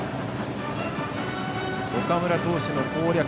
岡村投手の攻略